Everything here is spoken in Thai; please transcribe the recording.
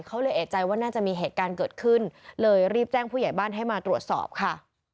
เขาเลยเอกใจว่าน่าจะมีเหตุการณ์เกิดขึ้นเลยรีบแจ้งผู้ใหญ่บ้านให้มาตรวจสอบค่ะ